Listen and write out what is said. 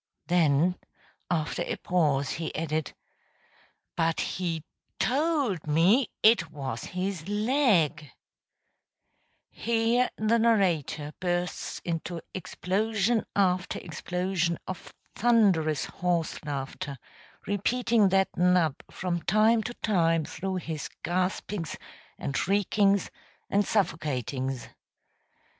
Then after a pause he added, "But he TOLD me IT WAS HIS LEG " Here the narrator bursts into explosion after explosion of thunderous horse laughter, repeating that nub from time to time through his gaspings and shriekings and suffocatings.